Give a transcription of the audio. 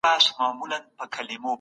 د عدالت په پلي کولو کي مرسته وکړئ.